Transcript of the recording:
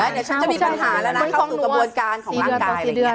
เดี๋ยวฉันจะมีปัญหาแล้วนะเข้าสู่กระบวนการของร่างกายอะไรอย่างนี้